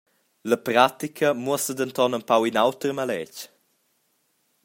La pratica muossa denton empau in auter maletg.